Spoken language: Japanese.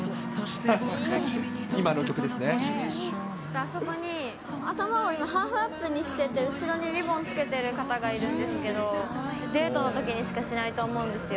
あそこに頭をハーフアップにしてて、後ろにリボンつけてる方がいるんですけど、デートのときにしかしないと思うんですよ。